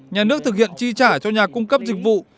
nhà nước thực hiện chi trả cho nhà cung cấp dịch vụ